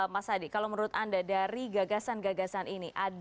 mas adi kalau menurut anda dari gagasan gagasan ini